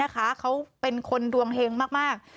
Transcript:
เขาเป็นคนดวงเฮงมาก